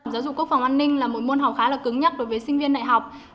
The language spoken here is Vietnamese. giáo dục quốc phòng an ninh là một môn học khá là cứng nhắc đối với sinh viên đại học